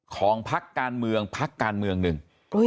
พักการเมืองพักการเมืองหนึ่ง